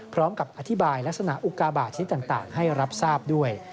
พร้อมกับอธิบายลักษณะอุกาบาทชิ้นต่างให้รับทราบด้วย